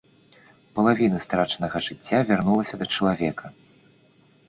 Палавіна страчанага жыцця вярнулася да чалавека.